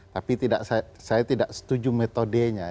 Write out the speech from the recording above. tapi saya tidak setuju metodenya